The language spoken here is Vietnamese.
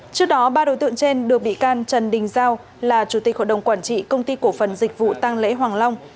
trước đó ba đối tượng trên được bị can trần đình giao là chủ tịch hội đồng quản trị công ty cổ phần dịch vụ tăng lễ hoàng long